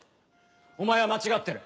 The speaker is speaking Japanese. お前は間違ってる。